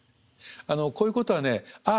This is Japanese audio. こういうことはねああ